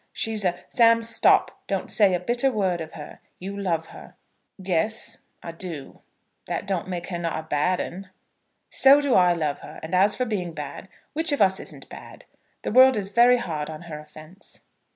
She's a " "Sam, stop. Don't say a bitter word of her. You love her." "Yes; I do. That don't make her not a bad 'un." "So do I love her. And as for being bad, which of us isn't bad? The world is very hard on her offence."